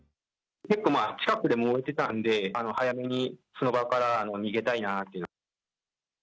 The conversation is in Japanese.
結構、近くで燃えてたんで、早めにその場から逃げたいなぁという。